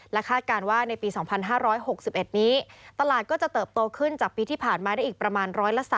คาดการณ์ว่าในปี๒๕๖๑นี้ตลาดก็จะเติบโตขึ้นจากปีที่ผ่านมาได้อีกประมาณ๑๓